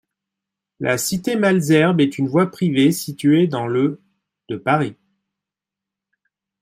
La cité Malesherbes est une voie privée située dans le de Paris.